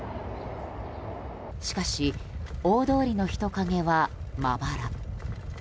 しかし、大通りの人影はまばら。